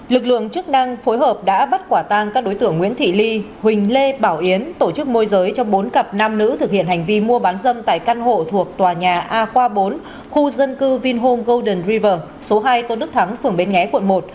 lực lượng chức năng phối hợp đã bắt quả tang các đối tượng nguyễn thị ly huỳnh lê bảo yến tổ chức môi giới cho bốn cặp nam nữ thực hiện hành vi mua bán dâm tại căn hộ thuộc tòa nhà aq bốn khu dân cư vinhome golden river số hai tôn đức thắng phường bến nghé quận một